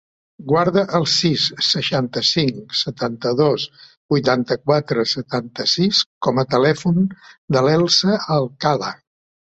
Guarda el sis, seixanta-cinc, setanta-dos, vuitanta-quatre, setanta-sis com a telèfon de l'Elsa Alcala.